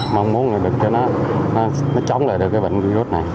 mong muốn là được cho nó chống lại được cái bệnh virus